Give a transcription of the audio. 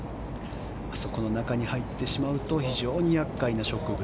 そこの中に入ってしまうと非常に厄介な植物。